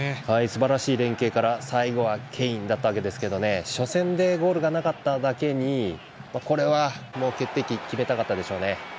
すばらしい連係から最後はケインだったわけですけど初戦でゴールがなかっただけに決定機決めたかったでしょうね。